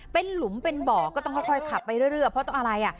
เป็นหลุมเป็นบ่อก็ต้องค่อยขับไปเรื่อยเพราะต้องอะไรอ่ะ